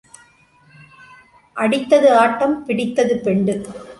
அடித்தது ஆட்டம், பிடித்தது பெண்டு.